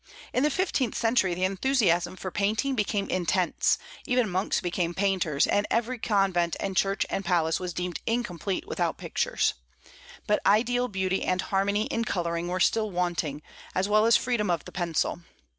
In the fifteenth century the enthusiasm for painting became intense; even monks became painters, and every convent and church and palace was deemed incomplete without pictures. But ideal beauty and harmony in coloring were still wanting, as well as freedom of the pencil.